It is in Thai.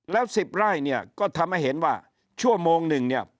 แล้ว๑๐ไร่เนี่ยก็ทำให้เห็นว่าชั่วโมงหนึ่งเนี่ย